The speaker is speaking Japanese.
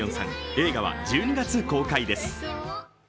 映画は１２月公開です。